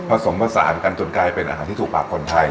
ผสมผสานกันจนกลายเป็นอาหารที่ถูกปากคนไทย